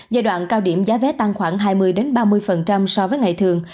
giai đoạn cao điểm giá vé tăng khoảng hai mươi ba mươi so với ngày thường